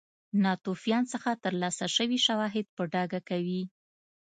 ناتوفیان څخه ترلاسه شوي شواهد په ډاګه کوي.